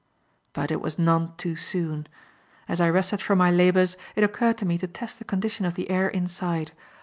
But it was none too soon. As I rested from my labours, it occurred to me to test the condition of the air inside.